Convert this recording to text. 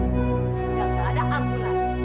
tidak ada ampunan